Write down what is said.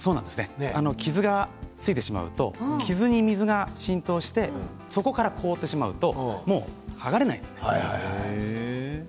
傷がついてしまうと傷に水が浸透してそこが凍ってしまうともう剥がれないですね。